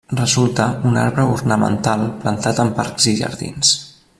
Resulta un arbre ornamental plantat en parcs i jardins.